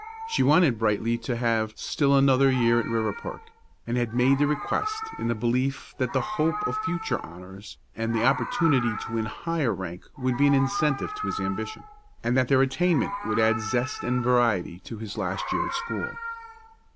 She wanted Brightly to have still another year at Riverpark, and had made the request in the belief that the hope of future honors and the opportunity to win higher rank would be an incentive to his ambition, and that their attainment would add zest and variety to his last year at school.